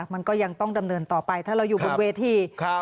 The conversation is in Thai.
มันก็ยังต้องดำเนินต่อไปถ้าเราอยู่บนเวที